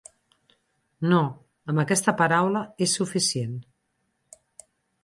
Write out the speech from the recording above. No, amb aquesta paraula és suficient.